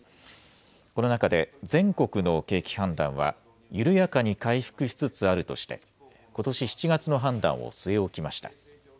この中で全国の景気判断は緩やかに回復しつつあるとしてことし７月の判断を据え置きました。